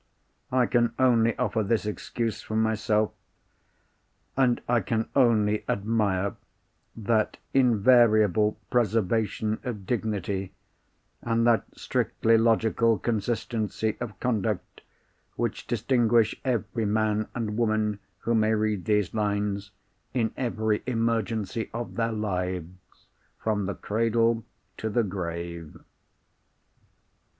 I can only offer this excuse for myself; and I can only admire that invariable preservation of dignity, and that strictly logical consistency of conduct which distinguish every man and woman who may read these lines, in every emergency of their lives from the cradle to the grave.